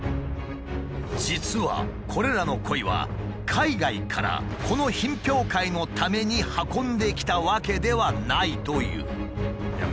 実はこれらのコイは海外からこの品評会のために運んできたわけではないという。